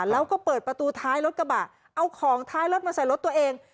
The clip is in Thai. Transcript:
แล้วก็เปิดประตูท้ายรถกระบะเอาของท้ายรถมาใส่รถตัวเอง